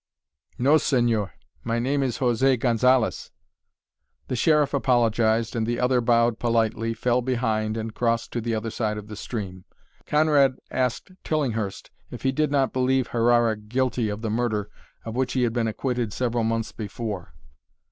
"No, señor. My name is José Gonzalez." The Sheriff apologized, and the other bowed politely, fell behind, and crossed to the other side of the stream. Conrad asked Tillinghurst if he did not believe Herrara guilty of the murder of which he had been acquitted several months before.